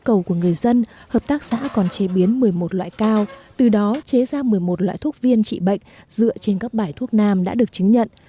trong thời gian hợp tác xã còn chế biến một mươi một loại cao từ đó chế ra một mươi một loại thuốc viên trị bệnh dựa trên các bài thuốc nam đã được chứng nhận